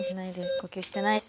呼吸してないです。